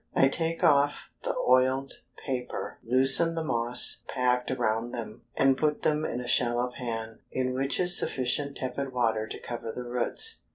I take off the oiled paper, loosen the moss packed around them, and put them in a shallow pan, in which is sufficient tepid water to cover the roots.